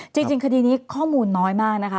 จริงคดีนี้ข้อมูลน้อยมากนะคะ